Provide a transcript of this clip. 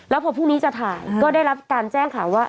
แล้วพอพรุ่งนี้จะถ่ายก็ได้รับการแจ้งข่าวว่า